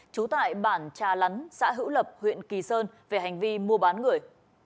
trú tại bản trà lán xã hữu lập huyện kỳ sơn về hành vi mua bán người